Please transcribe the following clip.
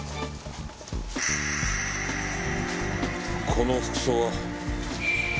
この服装は。